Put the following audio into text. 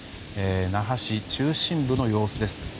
那覇市中心部の様子です。